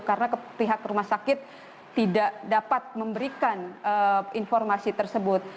karena pihak rumah sakit tidak dapat memberikan informasi tersebut